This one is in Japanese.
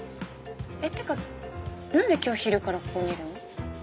てか何で今日昼からここにいるの？